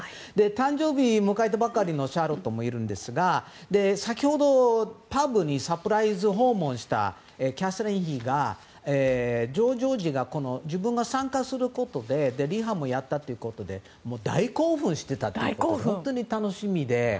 誕生日を迎えたばかりのシャーロットもいるんですが先ほどパブにサプライズ訪問したキャサリン妃がジョージ王子が自分が参加することでリハもやったということで大興奮してたってことで本当に楽しみで。